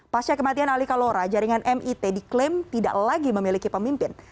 pasca kematian ali kalora jaringan mit diklaim tidak lagi memiliki pemimpin